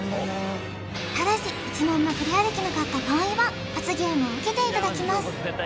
ただし１問もクリアできなかった場合は罰ゲームを受けていただきます